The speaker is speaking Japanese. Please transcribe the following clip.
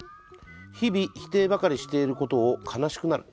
日々、否定ばかりしていることを悲しくなる。